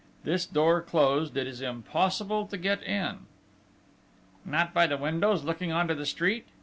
This door closed, it is impossible to get in." "Not by the windows looking on to the street?"